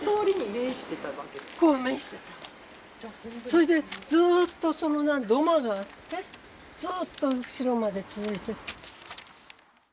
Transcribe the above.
それでずっと土間があってずっと後ろまで続いてた。